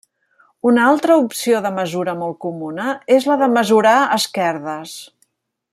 Una altra opció de mesura molt comuna, és la de mesurar esquerdes.